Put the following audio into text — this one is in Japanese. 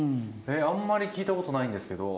あんまり聞いたことないんですけど。